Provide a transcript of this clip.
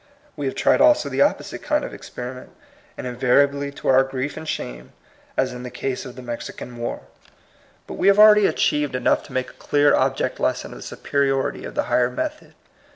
We have tried also the opposite kind of experiment, and invariably to our grief and shame, as in the case of the Mexi can War. But we have already achieved 24 TUB COMING PEOPLE. enough to make a clear object lesson of the superiority of the higher method.